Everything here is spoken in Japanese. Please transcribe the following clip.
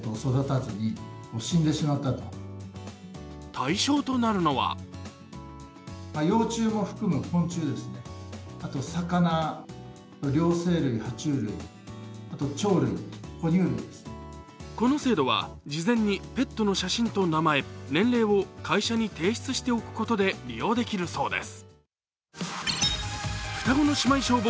対象となるのはこの制度は事前にペットの写真と名前、年齢を会社に提出しておくことで利用できるそうです。